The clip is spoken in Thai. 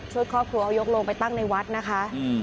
ครอบครัวเอายกลงไปตั้งในวัดนะคะ